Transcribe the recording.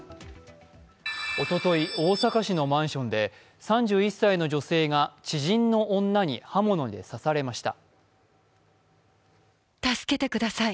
おととい、大阪市のマンションで３１歳の女性が知人の女に刃物で刺されました。